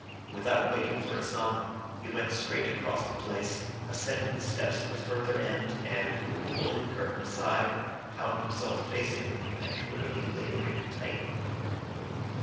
Without waiting for Asano, he went straight across the place, ascended the steps at the further end, and, pulling the curtain aside, found himself facing the perpetually labouring Titan.